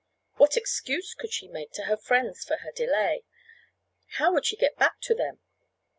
What excuse could she make to her friends for her delay? How would she get back to them?